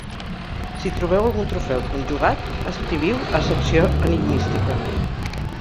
Si trobeu algun trofeu conjugat, escriviu a Secció Enigmística.